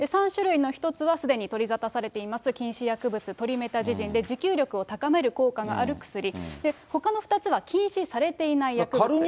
３種類の１つは、すでに取りざたされています禁止薬物、トリメタジジンで、持久力を高める効果がある薬。ほかの２つは禁止されていない薬物。